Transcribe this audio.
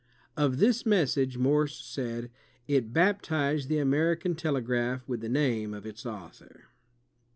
'' Of this mes sage Morse said, *'It baptized the American telegraph with the name of its Author.''